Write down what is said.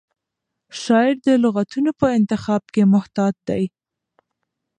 شاعر د لغتونو په انتخاب کې محتاط دی.